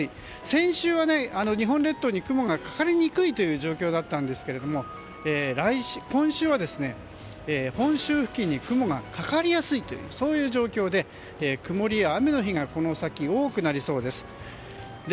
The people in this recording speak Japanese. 先週は日本列島に雲がかかりにくい状況でしたが今週は本州付近に雲がかかりやすい状況で曇りや雨の日がこの先、多くなりそうです。